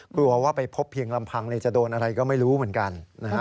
กลัวว่าไปพบเพียงลำพังเลยจะโดนอะไรก็ไม่รู้เหมือนกันนะฮะ